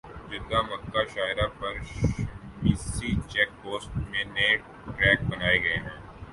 Jeddah Mecca شاہراہ پر Shumaisi check post میں نئے ٹریک بنائے گئے ہیں